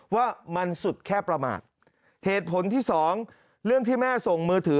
ว่ามันสุดแค่ประมาทเหตุผลที่สองเรื่องที่แม่ส่งมือถือ